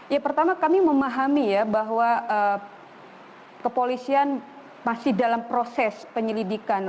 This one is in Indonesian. ya pertama kami memahami ya bahwa kepolisian masih dalam proses penyelidikan